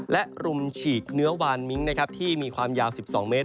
และรุมฉีกเนื้อวานมิ้งที่มีความยาว๑๒เมตร